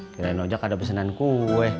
kirain ojek ada pesenan kue